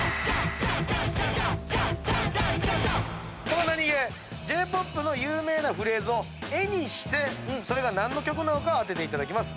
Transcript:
このナニゲーＪ−ＰＯＰの有名なフレーズを絵にしてそれが何の曲なのか当てていただきます。